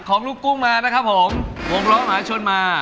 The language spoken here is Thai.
ของลูกกุ้งมานะครับผมวงล้อมหาชนมา